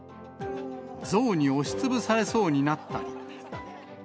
象に押しつぶされそうになったり。